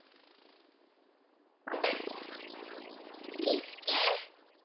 キスケ。